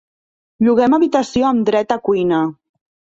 Lloguem habitació amb dret a cuina.